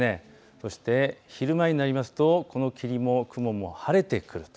そして昼前になりますとこの霧も雲も晴れてくると。